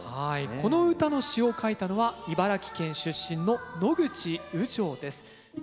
この歌の詩を書いたのは茨城県出身の野口雨情です。